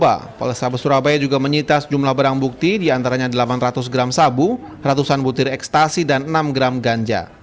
perang terhadap narkoba pohlesa besurabaya juga menyitas jumlah barang bukti di antaranya delapan ratus gram sabu ratusan butir ekstasi dan enam gram ganja